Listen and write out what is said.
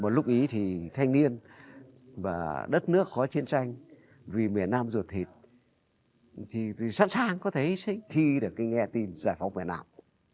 và lúc ý thì thanh niên và đất nước có chiến tranh vì miền nam ruột thịt thì sẵn sàng có thể khi được nghe tin giải phóng miền nam